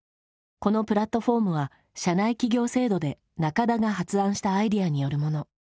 このプラットフォームは社内起業制度で仲田が発案したアイデアによるもの。